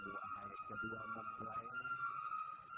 kembali ke sana besok hari